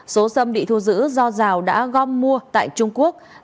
số xâm bị thu giữ do giào đã gom mua tại trung quốc